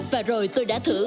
và rồi tôi đã thử